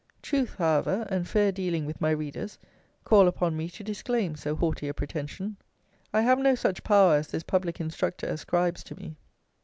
Truth, however, and fair dealing with my readers, call upon me to disclaim so haughty a pretension. I have no such power as this public instructor ascribes to me.